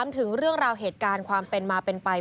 ถึงเรื่องราวเหตุการณ์ความเป็นมาเป็นไป